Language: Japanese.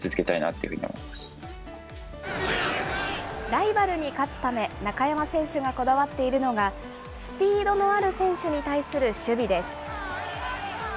ライバルに勝つため、中山選手がこだわっているのが、スピードのある選手に対する守備です。